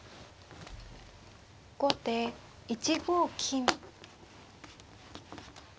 後手１五金。